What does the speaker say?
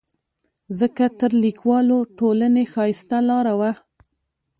ځکه تر لیکوالو ټولنې ښایسته لاره وه.